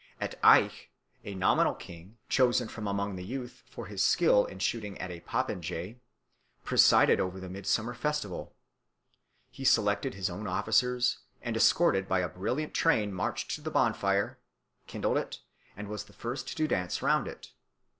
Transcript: At Aix a nominal king, chosen from among the youth for his skill in shooting at a popinjay, presided over the midsummer festival. He selected his own officers, and escorted by a brilliant train marched to the bonfire, kindled it, and was the first to dance round it.